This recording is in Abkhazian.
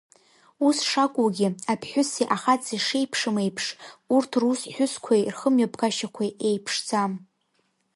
Ус шакәугьы, аԥҳәыси ахаҵеи шеиԥшым еиԥш, урҭ рус-ҳәысқәеи рхымҩаԥгашьақәеи еиԥшӡам.